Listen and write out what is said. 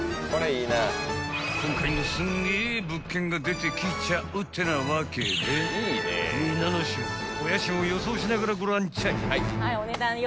［今回もすんげえ物件が出てきちゃうってなわけで皆の衆お家賃を予想しながらご覧ちゃい］